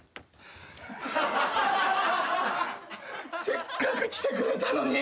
せっかく来てくれたのに！